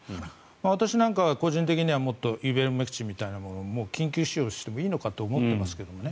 私なんかは個人的に、もっとイベルメクチンみたいなものを緊急使用してもいいのかと思ってますけどね。